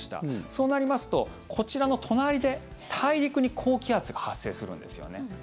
そうなりますとこちらの隣で大陸に高気圧が発生するんですよね。